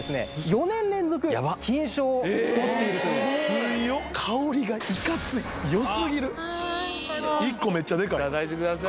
４年連続金賞をとっているというよすぎる１個めっちゃデカいいただいてください